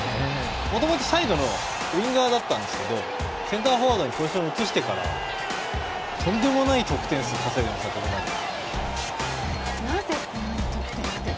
もともとサイドのウイングだったんですけどセンターフォワードにポジションを移してからとんでもない得点数を稼いでたので。